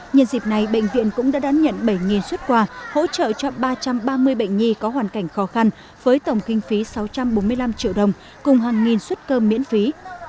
nhân dịp này bệnh viện cũng đã đón nhận bảy xuất quà hỗ trợ cho ba trăm ba mươi bệnh nhi có hoàn cảnh khó khăn với tổng kinh phí sáu trăm bốn mươi năm triệu đồng cùng hàng nghìn xuất cơm miễn phí